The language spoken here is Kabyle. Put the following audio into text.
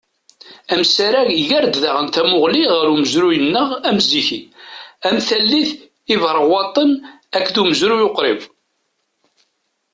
Amsarag iger-d daɣen tamuɣli ɣer umezruy-nneɣ amziki, am tallit Iberɣwaṭen, akked umezruy uqrib.